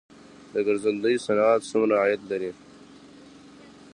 د ګرځندوی صنعت څومره عاید لري؟